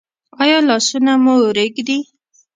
ایا لاسونه مو ریږدي؟